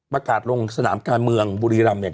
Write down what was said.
ประกาศลงสนามการเมืองบุรีรำเนี่ย